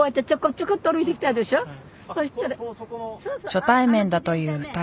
初対面だという２人。